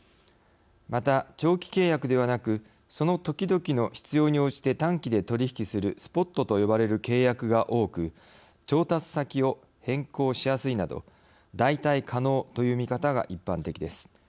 また長期契約ではなくその時々の必要に応じて短期で取り引きするスポットと呼ばれる契約が多く調達先を変更しやすいなど代替可能という見方が一般的です。